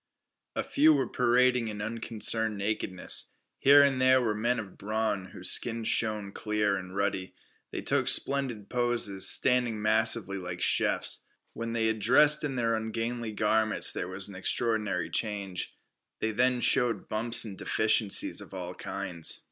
A few were parading in unconcerned nakedness. Here and there were men of brawn, whose skins shone clear and ruddy. They took splendid poses, standing massively like chiefs. When they had dressed in their ungainly garments there was an extraordinary change. They then showed bumps and deficiencies of all kinds.